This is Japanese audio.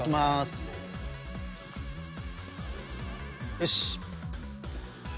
よし。